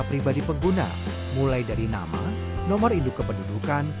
pribadi pengguna mulai dari nama nomor induk kependudukan